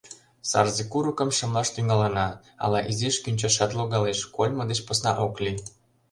Сарзе курыкым шымлаш тӱҥалына, ала изиш кӱнчашат логалеш — кольмо деч посна ок лий.